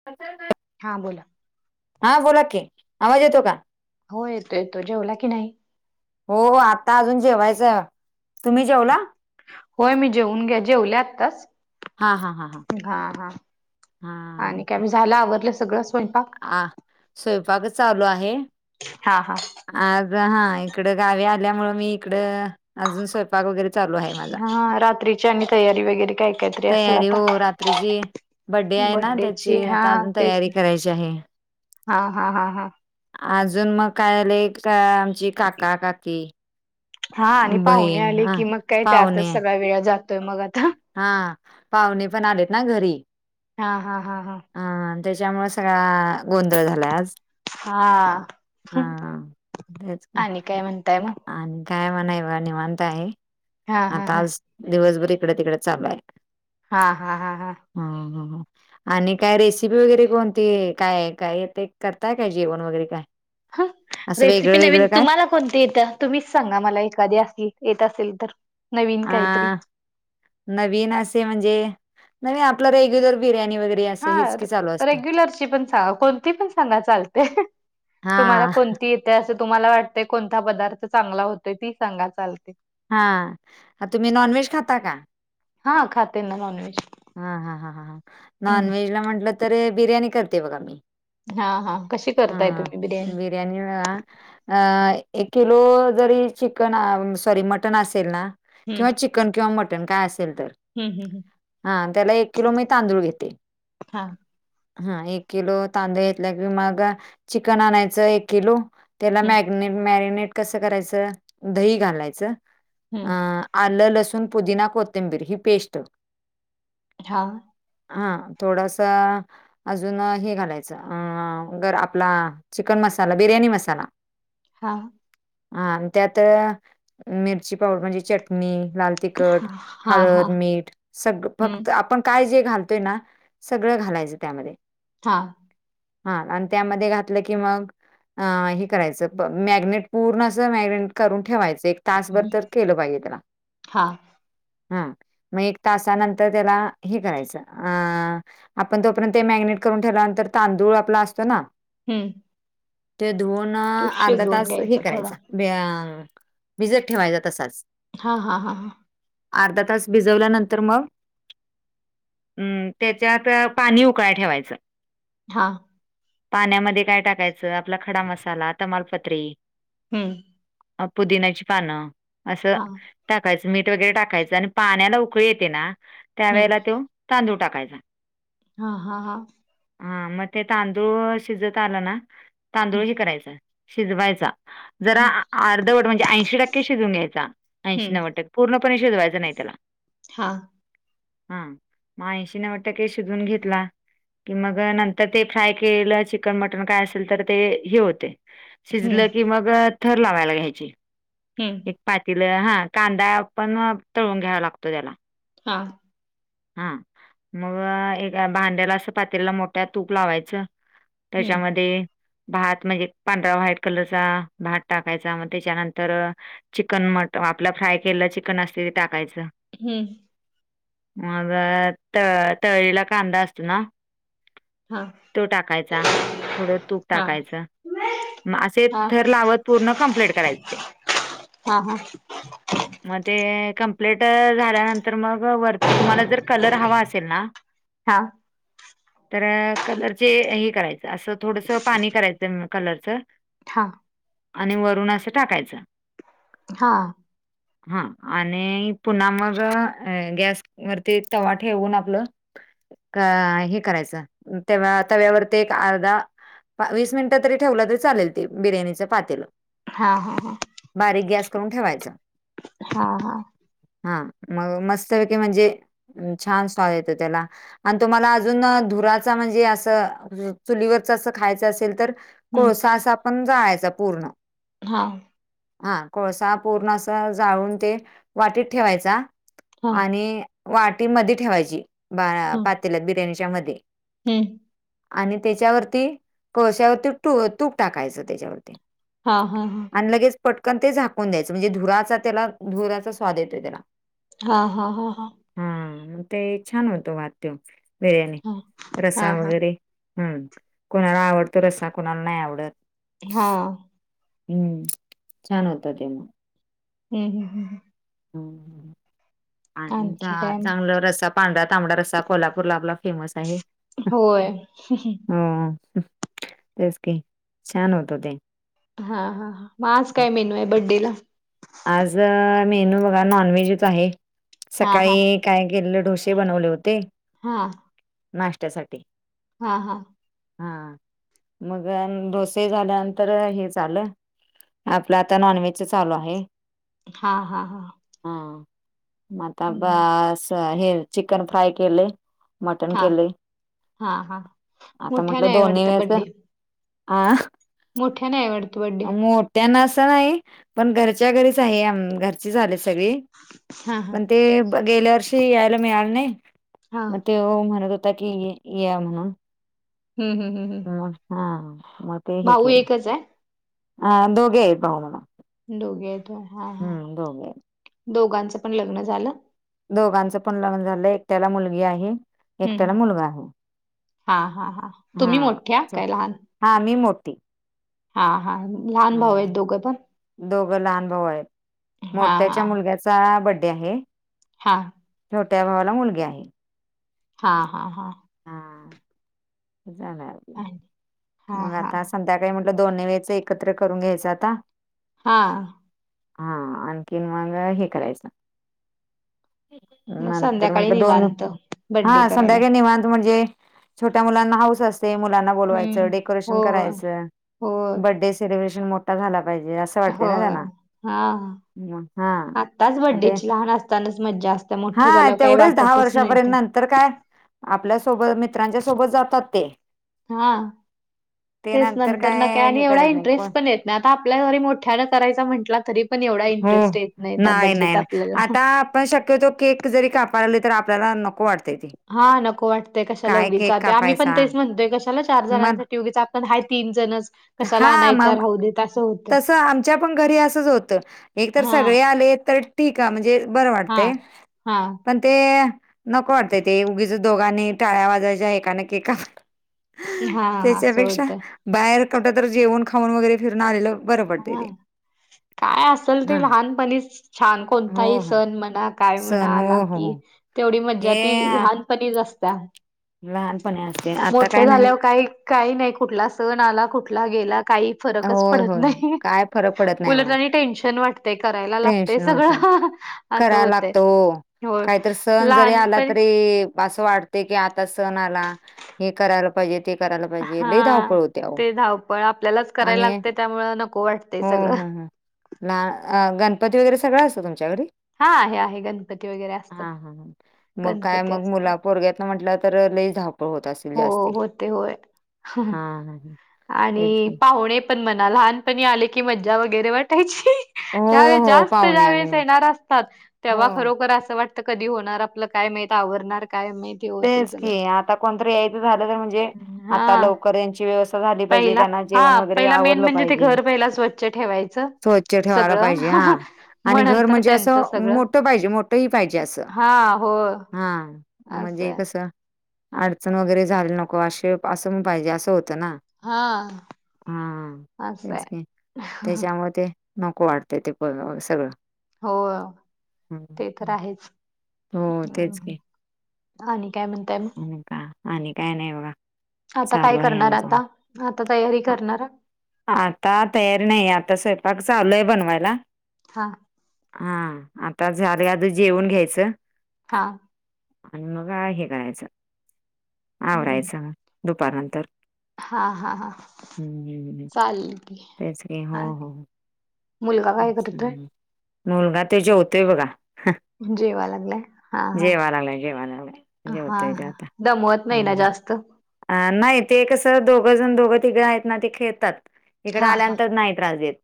[unintelligible] हां बोला. हा बोला की, आवाज येतो का? हो येतो येतो, जेवला की नाही? हो आता अजून जेवायचं, तुम्ही जेवला? होय मी जेऊन घ्या, जेवले आत्ताचं. हा हा आणि हा काय, झालं आवरलं सगळं स्वयंपाक? हा, स्वयंपाकच चालू आहे. हा हा. आज हा इकड गावी आल्या मूळ मी इकड, अजून स्वयंपाक पाक वैगरे चालू आहे माझा. हा रात्रीची आणि तयारी वगैरे काय काहीतरी असेल तयारी आता हो रात्रीची. बड्डे आहे ना बड्डेची त्याची, हा आता अजून तेच तयारी ना करायची आहे. हा हा हा हा. अजून मग काय आलंय, का एक आमची काका काकी. हा आणि पाहुणे बहीण आले हा की मग काय पाहुणे त्यातच सगळा वेळ जातोय मग आता. हा, पाहुणे पण आलेत ना घरी. हा हा हा हा. हा त्याच्यामुळे सगळा गोंधळ झालाय आज. हा हा. तेच की आणि काय म्हणताय मग? आणि काय मणाय बा निवांत आहे. हा हा आता हा आज, दिवसभर इकड तिकडे चालूय. हा हा हा हा. हम्म हम्म हम्म. आणि काय रेसिपी वगैरे कोणती, काय काय ते करताय काय जेवण वगैरे काय? ह असं वेगळं रेसिपी नवीन, वेगळं काय तुम्हाला कोणती येतं? तुम्हीच सांगा मला एखादी अशी, येत असेल तर नवीन काहीतरी. अ नवीन असे म्हणजे, नवीन आपलं रेग्युलर बिर्याणी वगैरे असं हा, हेच की चालू असतं रेग्युलरची पण कोणती पण सांगा, चालते. हा तुम्हाला कोणती येतय असं तुम्हाला वाटतय. कोणता पदार्थ चांगला होतय, ती सांगा चालतय. हा, तुम्ही नॉन व्हेज खाता का? हा खाते ना नॉन व्हेज. हा हा ह ह ह. नॉन व्हेज ला म्हटलं तर, बिर्याणी करते बघा मी. हा हा कशी करताय हा तुम्ही बिर्याणी? [unintelligible] अ -एक किलो जरी चिकन अ सॉरी मटन असेल ना हम्म किंवा चिकन किंवा मटन काय असेल तर. हम्म हम्म हम्म. हा, त्याला एक किलो मी तांदूळ घेते. हा हा एक किलो तांदू घेतला कि मग, चिकन आणायचं एक किलो. त्याला हम्म मॅगनेट मॅरिनेट कसं करायचं? दही घालायचं हम्म अ आलं, लसूण, पुदिना, कोथंबीर ही पेस्ट. हां. हा, थोडस अजून हे घालायचं अ- गर आपला चिकन मसाला, बिर्याणी मसाला. हा. हा त्यात, मिरची पावड म्हणजे चटणी, लाल हा तिखट, हा हा हळद, मीठ. सग हम्म फक्त आपण काय जे घालतोय ना, सगळं घालायचं त्यामध्ये. हां. हा आणि त्यामध्ये घातलं की मग अ- हे करायचं प मॅग्नेट पूर्ण असं मॅगनेट करून ठेवायचं एक तासभर हम्म. तर केलं पाहिजे त्याला. हा हम्म मग तासानंतर त्याला हे करायचं अ आपण तोपर्यंत मॅगिनेट करून ठेवलानंतर तांदूळ आपला असतो ना हम्म. ते धुवन, तो अर्धा शिजवून तास हे घ्यायचा थोडा करायचा ते अ भिजत ठेवायचा तसाच. हा हा हा. अर्धा तास भिजवल्यानं तर मग, हम्म त्याच्यात पाणी उकळायला ठेवायचं. हा. पाण्यामध्ये काय टाकायचं, आपला खडा मसाला, तमालपत्री. हम्म. अ पुदिन्याची पानं, असं हां, टाकायचं. मीठ वगैरे टाकायचं, आणि पाण्याला उकळी येते ना, त्या हं, वेळेला तो तांदूळ टाकायचा. हा हा हा. हम्म मग ते तांदूळ शिजत आलं ना, हं, तांदूळ हे करायचं शिजवायचा. जरा हं, अर्धवट म्हणजे ऐंशी टक्के शिजून घ्यायचा. ऐंशी हं, नव्वद टक्के. पूर्णपणे शिजवायचं नाही त्याला. हा. हम्म, मग ऐंशी नव्वद टक्के शिजवून घेतला कि मग नंतर ते फ्राय केलं चिकन मटन काय असेल तर ते, हे होते हं, शिजलं की मग, थर लावायला घ्यायची. हम्म. पातील. हा, कांदा पण तळून घ्यावा लागतो त्याला. हा. हा, मग एका भांड्याला असं पातेला मोठ्या तूप लावायचं. हं, त्याच्यामध्ये भात म्हणजे पांढरा व्हाईट कलरचा भात टाकायचा, मग त्याच्यानंतर चिकन मट आपलं फ्राय केलेलं चिकन असते ते टाकायचं. हम्म. मग त तळलेला कांदा असतो ना हां, तो टाकायचा. थोडं तूप हां, टाकायचं. मग असे हां, थर लावत पूर्ण कम्प्लीट करायचं ते. हा हा. मग ते कंप्लीट झाल्यानंतर मग वर ते तुम्हाला जर कलर हवा असेल ना हां, तर कलरचे हे करायचं, असं थोडस पाणी करायचं कलरचं. हा. आणि वरून असं टाकायचं. हा. हा आणि पुन्हा मग गॅस वरती तवा ठेवून आपलं, अ हे करायचं [inaudible] तेव्हा तव्यावरती एक अर्धा वीस मिनिटं तरी ठेवला तरी चालेल ते बिर्याणीचं पातेलं, हा हा हा बारीक गॅस करूंन ठेवायचां हां हां हां मंग मस्तं पयकी म्हणजे छान स्वाद येतों त्यांला आणि तुम्हांला अजूंन धुरांचा म्हणजे असं चुलीवरच असं खायचं असेल तरं हं, कोळसां असं पणं जायचां पूर्ण हां हां कोळसां पूर्ण असं जाळून ते वाटीत ठेवायचां हां, आणि वाटी मध्यें ठेवायची पातेल्यात बिर्याणीच्या मध्यें हम्मं आणि त्यांच्या वरती कोळशांवरती तूंप टाकायचं त्यांच्या वरती हां हां हां आणि लगेच ते पटकन ते झाकून द्यायचं म्हणजे धुराचा त्यांला धुराचां स्वाद येतो त्यालां हां हां हां हां हां ते छान होतो ते वाद्य बिर्याणी हां, रसा हां, हां, हां, वगैरें हम्मं कोणालां आवंडतो रस्सा कोणालां नाहीं आवडतं हां हम्मं छान होत ते हम्मं हम्मं हम्मं आणत्या आणखी काय मग? चांगल्यावर असा पांढरा तांबडा रस्सा कोल्हापूंरला आपलां फेमस आहे हंम हंम जसं की छान होतं ते हां हां मंग आज कायं मेन्यू आहे बड्डे लां आज मेनू बघा नॉनव्हेजचं आहे हां, हां, सकाळीं कायं केले ढोसे बनवले होतें हां नाश्त्यांसाठी हां हां हां मंग डोसे झाल्यानंतर हे झालं आपलं आता नॉनव्हेजचं चालूं आहे हां हां हां हां आता हं, बसं हे चिकन फ्राय केलें आहे मटंण हां, केलं हां, हां. आता मोठ्याने म्हटलं आहे दोन्हीं वाटतं वेळेस द्या आ.. मोठ्यां ने हांय वाटतो बड्डे त्यांना असं नाहीं पणं घरच्यां घरीचं आहे घरची झाले सगळीं हा हा पणं ते गेल्यां वर्षी यांयला मिळालं नाहीं हा तेंव्हा म म्हणतं होतां की यां म्हणून हम्मं हम्मं हम्मं हम्मं हां म ते हं केले एकच आहे हा दोघई आहे भाऊ दोघे हां हां हम्म दोघे आहेत. दोघांचं पणं लग्नं झालं दोघांचं पणं लग्नं झालं एकट्यांला मुलगी आहे एकट्यांला मुलगां आहे हां हां हां हां चं हां मी मोठीं हां हां लहांन भाऊ आहेत दोघं पणं दोघं लहांन भाऊ आहेत हा मोठ्यांच्या मुलग्यांचा बड्डे आहे हां छोट्यां भावांला मुलगी आहे हां हां हां हां हंम आणि- हा मंग हा आतास आणि त्या काळी म्हट दोन्ही वेळेच एकत्र करून घ्यायचं आता. हा! हा आणखीन मग हे करायचं. मग नंतर संध्याकाळी म्हंटलं दोन निवांत बड्डे हा करायला संध्याकाळी निव त म्हणजे छोट्या मुलांना हौस असते मुलांना बोलवायचं हम्म हो डेकोरेशन करायचं, हो बर्थडे सेलिब्रेशन मोठा झाला पाहिजे असं. वाटते ना होय, त्यांना हा! हा आताच मग ते बड्डेची लहान असतानाच मज्जा असते मोठं झालं काही वाटतच नाही तर, तर काय, आपल्यासोबत मित्रांच्या सोबत जातात ते, हा! ते तेच नंतर न काय आणि हे एवढा करायचं नाही कोण इंटरेस्ट पण येत नाही. आता आपल्या घरी मोठ्यानं करायचा म्हटला तरी पण एवढा इंटरेस्ट हो. येत नाही त्या बड्डेत आपल्याला. पण शक्यतो केक जरी कापले तर आपल्याला नको वाटते ते, हा नको वाटतंय कशाला काय उगीच केक ते आम्ही पण कापायचा तेच म्हणतोय कशाला चार मग जणांसाठी उगीच पण हा तीन जणच कशाला हा आणायच मग राहू दे! तसं आमच्या पण घरी असंच होत, एक तर हां, सगळे आले तर ठीक आहे म्हणजे बरं हां, वाटतंय. हां, पण ते नको वाटतय ते उगीच दोघांनी टाळ्या वाजायच्या एका न केक काप हां, असं त्याच्यापेक्षा होतंय. बाहेर कुठ तर जेवण खाऊन वगैरे फिरन आलेलं बरं पडतंय हां, ते. काय असल ते हा लहानपणीच. छान हो कोणताही हो सण म्हणा काय सण म्हणा हो आला हो कि, हो तेवढी मज्जा ती हे लहानपणीच असत्या. लहानपणी असते आता मोठे काय नाही. झाल्यावर काही काही नाही कुठला सण आला, कुठला गेला काही फरकच होय पडत होय नाही. काय फरक पडत नाही उलट बघा आणि टेन्शन वाटते करायला लागतेय सगळं. असं करा होतय. लागतो हो होय काहीतरी सण जरी आला लहानपण तरी, असं वाटते की आता सण आला हे करायला पाहिजे, ते करायला पाहिजे, लई धावपळ होते आओ. पण आपल्यालाच करायला लागते त्यामुळ नको वाटतेय सगळं. ला अ गणपती वगैरे सगळं असतं तुमच्याकडे? हा आहे आहे गणपती वगैरे असतात. हा हा मग काय गणपती मग असतात मुलापोर म्हट तर लई धावपळ होत अस? हो होते होय. हम् हम हम आणि पाहुणे पण म्हणा लहानपणी आले की मज्जा वगैरे वाटायची. हो त्यावेळेस हो जास्त पाहुणे आले ज्यावेेळेस येणार असतात तेव्हा हो खरोखर असं वाटत कधी होणार आपलं काय माहित आवरणार काय माहित. तेच की आता कोणतरी यायचं झालं तर म्हणजे आता हां लवकर यांची व्यवस् झाली पाहिजे पहिला त्यांना जेवण हां वगैरे पहिला मेन आवडलं म्हणजे ते पाहिजे. घर पहिला स्वच्छ ठेवायचं. होय. ठेवाला सगळं पाहिजे हा मग आणि घर नंतर म्हणजे असं त्यांचं सगळं मोठ पाहिजे मोठ ह पाहिजे असं. हां होय हा! असं म्हणजे आहे. कसं अडचण वगैरे झाली नको असे असं म्हण पाहिजे असं होतं ना! हां हा असं तेच आहे. त्याच्यामुळे ते नको वाटतेय ते प सगळं. हो ते तर आहेच्! हो तेच की आणि आणि काय म्हणताय मग! आणि काय नाही बघा. आता काय चालू आहे करणार आमचं आता आता तयारी करणार. आता तयारी नाही आता स्वयंपाक चालू आहे बनवायला. हा! हा. आता झालयं. आता जेवुन घ्यायचं. हां. आणि मग हे करायचं. हम्म आवरायचं दुपार नंतर. हा हा हा हम् ह्. चालेल की तेच काही हा, हो, हो. मुलगा काय अच्छा. करतोय मुलगा त्यो जेवतोयं बघा. जेवा लागलाय हा हा जेवा लागलाय. जेवा लागलाय. जेवत हा तो हा आता. दमवत नाही ना जास्त? अ नाही ते कसं दोघं जण दोघं, तिघं आहेत ना ती खेळतात. इकड हा हा आल्यानंतर नाही त्रास देत.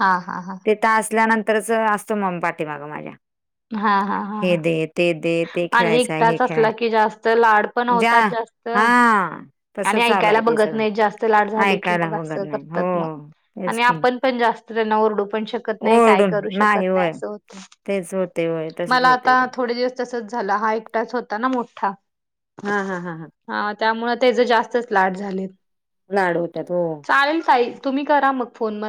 हा. हा. हा. हित असल्यानंतरच असतो म पाठिमाग माझ्या हा हा हा हे हा दे ते दे. ते आणि खेळायचं आहे हे एकदाच खेळाय असला की जास्त लाड पण जा होतात जास्त. हा आणि तसं चालू ऐकायला आहे ते बघत सगळं नाही. जास्त लाट झाली की ऐकायला मग बघत असं नाही करतात मग हो तेच आणि की आपण - - पण जास्त त्यांना ओरडू पण शक ऐकत नाही. काय ओरडून करू शकत नाही. होय. असं होतयं. तेच होते होय तसच मला होतय आता ते. थोड़ी दिवस तसच झालं. हा एकटाच होता ना मोठा. हा हा हा हां. हा त्यामुळं त्याच जास्तच लाड झालयं. लाडं होतात. हो. चालेल ताई तुम्ही करा मग फोन बंद.